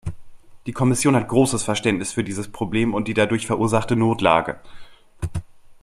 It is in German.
Die Kommission hat großes Verständnis für dieses Problem und die dadurch verursachte Notlage.